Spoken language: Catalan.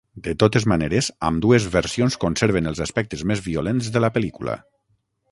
De totes maneres, ambdues versions conserven els aspectes més violents de la pel·lícula.